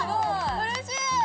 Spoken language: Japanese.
うれしい！